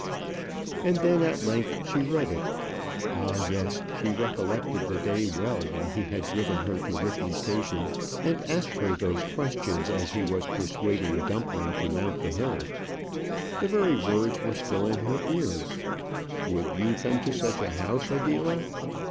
And then at length she read it. Ah! yes; she recollected the day well when he had driven her to Ripley Station, and asked her those questions as he was persuading Dumpling to mount the hill. The very words were still in her ears. "Would you come to such a house, Adela?"